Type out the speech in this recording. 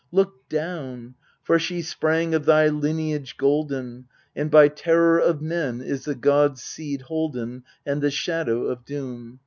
Look down, for she sprang of thy lineage golden, And by terror of men is the gods' seed holden l And the shadow of doom.